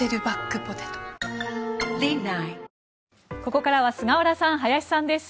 ここからは菅原さん林さんです。